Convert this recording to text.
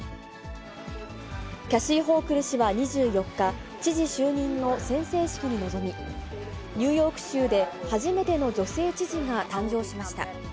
キャシー・ホークル氏は２４日、知事就任の宣誓式に臨み、ニューヨーク州で初めての女性知事が誕生しました。